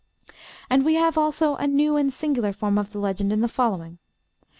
And we have also a new and singular form of the legend in the following.